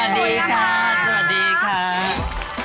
สวัสดีค่ะสวัสดีครับ